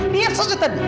lihat saja tadi